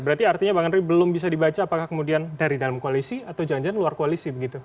pak andri belum bisa dibaca apakah kemudian dari dalam koalisi atau jangan jangan luar koalisi begitu